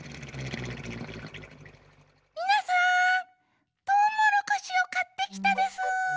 みなさんトウモロコシをかってきたでスー！